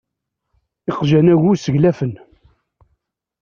Iqjan-agu seglafen.